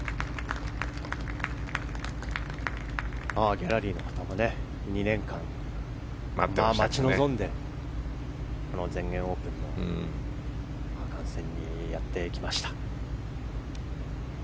ギャラリーの方も２年間、待ち望んで全英オープンの観戦にやってきました。